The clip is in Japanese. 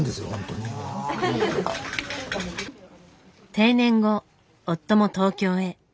定年後夫も東京へ。